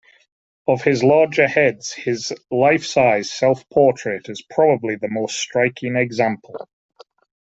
Of his larger heads, his life-size self-portrait is probably the most striking example.